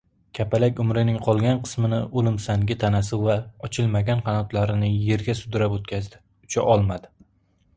Kapalak umrining qolgan qismini oʻlimsangi tanasi va ochilmagan qanotlarini yerga sudrab oʻtkazdi. Ucha olmadi.